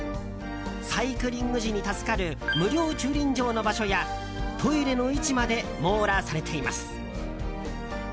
サイクリング時に助かる無料駐輪場の場所やトイレの位置まで網羅されています。